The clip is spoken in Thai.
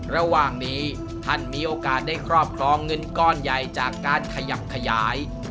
ระหว่างนี้ท่านมีโอกาสได้ครอบครองเงินก้อนใหญ่จากการขยับขยาย